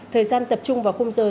thời gian tập trung vào khung giờ